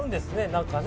何かね。